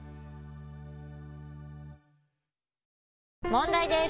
問題です！